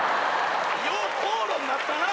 よう口論なったな。